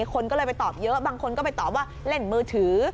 คนก็เลยไปตอบเยอะบางคนก็ไปตอบว่าเล่นมือถือ